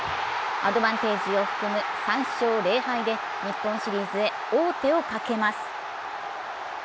アドバンテージを含む３勝０敗で日本シリーズへ王手をかけます。